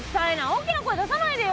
大きな声出さないでよ。